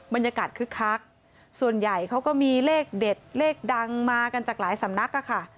คึกคักส่วนใหญ่เขาก็มีเลขเด็ดเลขดังมากันจากหลายสำนักอะค่ะ